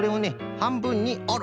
はんぶんにおる。